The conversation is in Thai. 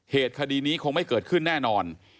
คดีนี้คงไม่เกิดขึ้นแน่นอน